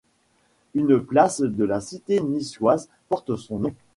Une place de la cité niçoise porte son nom.